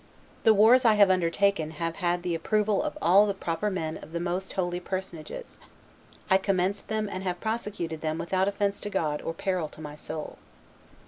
The wars I have undertaken have had the approval of all the proper men and of the most holy personages; I commenced them and have prosecuted them without offence to God or peril to my soul."